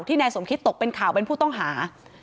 นายสมคิตตกเป็นข่าวเป็นผู้ต้องหา